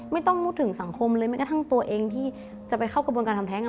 ไม่ต้องพูดถึงสังคมเลยแม้กระทั่งตัวเองที่จะไปเข้ากระบวนการทำแท้ง